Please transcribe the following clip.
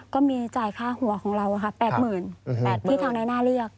ก็มีจ่ายค่าหัวของเรา๘๘๐๐ที่ทางนายน่าเรียก